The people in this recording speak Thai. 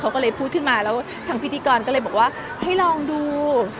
เขาก็เลยพูดขึ้นมาแล้วทางพิธีกรก็เลยบอกว่าให้ลองดู